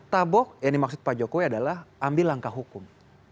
tabok yang dimaksud pak jokowi adalah ambil langkah hukum